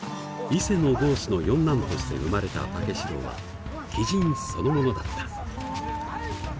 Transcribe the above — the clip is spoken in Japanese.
伊勢の郷士の四男として生まれた武四郎は奇人そのものだった。